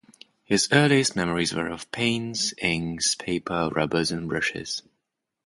His earliest memories were of paints, inks, paper, rubbers and brushes.